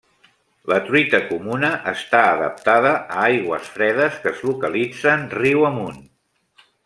La truita comuna està adaptada a aigües fredes que es localitzen riu amunt.